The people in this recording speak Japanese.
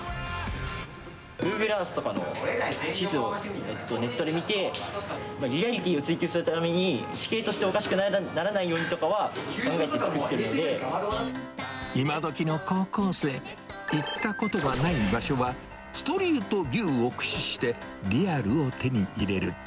グーグルアースなどの地図をネットで見て、リアリティーを追求するために、地形としておかしくならないよう今どきの高校生、行ったことはない場所は、ストリートビューを駆使して、リアルを手に入れる。